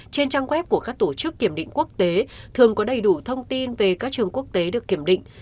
trên trang web của các tổ chức kiểm định quốc tế thường có đầy đủ thông tin về các trường quốc tế được kiểm định